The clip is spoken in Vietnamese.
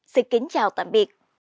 xin kính chào tạm biệt